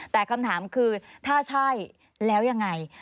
แต่คำถามคือถ้าใช่แล้วยังไง